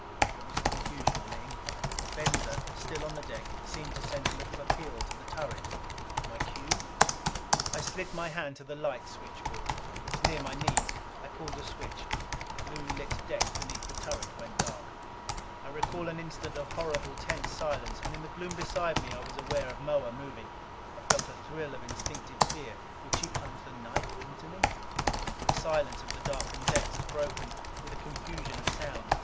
There was a confusion on the incline. Venza, still on the deck, seemed to send a look of appeal to the turret. My cue? I slid my hand to the light switchboard. It was near my knees. I pulled a switch. The blue lit deck beneath the turret went dark. I recall an instant of horrible, tense silence, and in the gloom beside me I was aware of Moa moving. I felt a thrill of instinctive fear would she plunge that knife into me? The silence of the darkened deck was broken with a confusion of sounds.